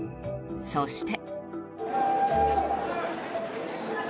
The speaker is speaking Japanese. そして。